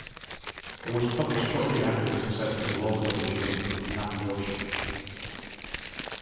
It was published shortly after the success of the local edition of "Nakayoshi".